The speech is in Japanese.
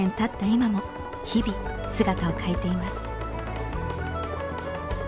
今も日々姿を変えています。